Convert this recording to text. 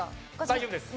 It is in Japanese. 大丈夫です。